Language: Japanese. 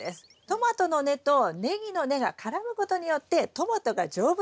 トマトの根とネギの根が絡むことによってトマトが丈夫になるんです。